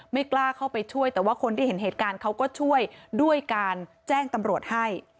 ไม่กล้าเข้าไปช่วยแต่ว่าคนที่เห็นเหตุการณ์เขาก็ช่วยด้วยการแจ้งตำรวจให้